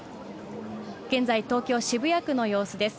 現在、東京・渋谷区の様子です。